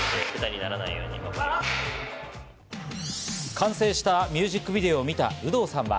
完成したミュージックビデオを見た有働さんは。